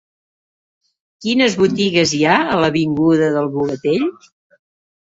Quines botigues hi ha a l'avinguda del Bogatell?